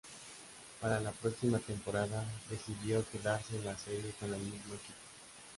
Para la próxima temporada decidió quedarse en la serie con el mismo equipo.